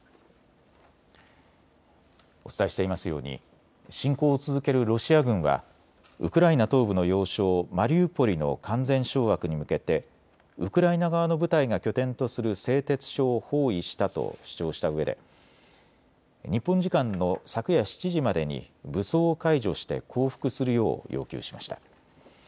お伝えしていますように侵攻を続けるロシア軍はウクライナ東部の要衝マリウポリの完全掌握に向けてウクライナ側の部隊が拠点とする製鉄所を包囲したと主張したうえで日本時間の昨夜７時までに武装を解除して降伏するよう要求しました。